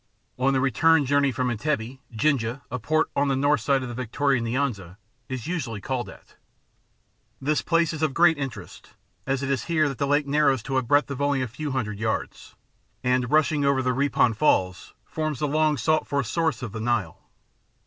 On the return journey from Entebbe, Jinja, a port on the north side of the Victoria Nyanza, is usually called at. This place is of great interest, as it is here that the Lake narrows into a breadth of only a few hundred yards, and, rushing over the Ripon Falls, forms the long sought for source of the Nile.